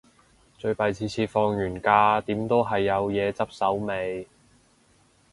最弊次次放完假，點都係有嘢執手尾